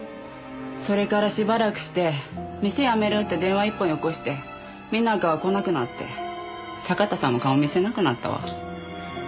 それからしばらくして店辞めるって電話一本よこして皆子は来なくなって酒田さんも顔見せなくなったわ。